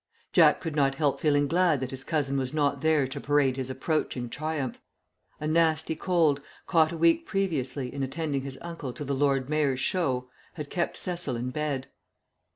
Jack could not help feeling glad that his cousin was not there to parade his approaching triumph; a nasty cold, caught a week previously in attending his uncle to the Lord Mayor's Show, having kept Cecil in bed.